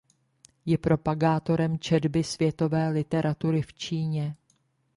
Je propagátorem četby světové literatury v Číně.